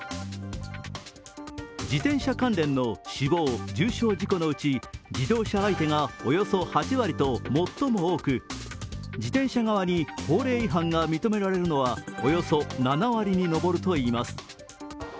自転車関連の死亡、重傷事故のうち自動車相手がおよそ８割と最も多く、自転車側に法令違反が認められるのはおよそ７割に上るといいます。